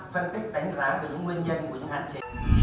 cảm ơn các bạn đã theo dõi và hẹn gặp lại